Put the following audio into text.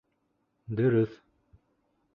Дөрөҫ.